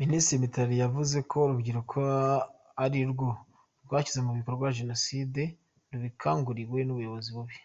Minisitiri Mitali yavuze ko urubyiruko arirwo rwashyize mu bikorwa Jenoside rubikanguriwe n’ubuyobozi bubi.